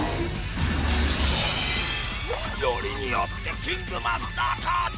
よりによってキングマスターカード！？